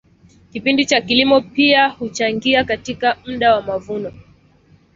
kipindi cha kilimo pia huchangia katika mda wa mavuno